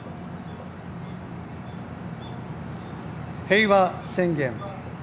平和宣言。